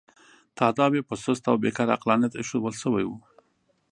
تاداو یې په سست او بې کاره عقلانیت اېښودل شوی.